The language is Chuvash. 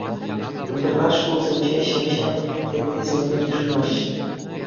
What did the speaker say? Интернат шкулсенче ҫемҫе теттесене йышӑнмаҫҫӗ.